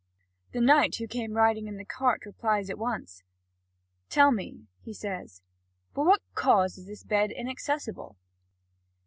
The knight who came riding on the cart replies at once: "Tell me," he says, "for what cause this bed is inaccessible."